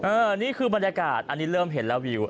อันนี้คือบรรยากาศอันนี้เริ่มเห็นแล้ววิว